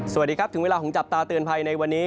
สวัสดีครับถึงเวลาของจับตาเตือนภัยในวันนี้